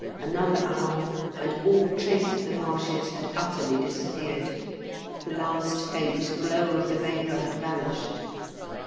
Another hour and all trace of the marshes had utterly disappeared, the last faint glow of the vapour had vanished.